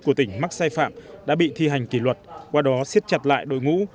của tỉnh mắc sai phạm đã bị thi hành kỷ luật qua đó siết chặt lại đội ngũ